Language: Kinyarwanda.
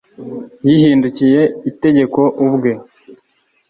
yihindukiye itegeko ubwe